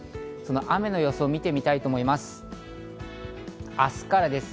雨の予想を見てみたいと思います。